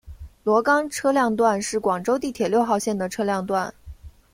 萝岗车辆段是广州地铁六号线的车辆段。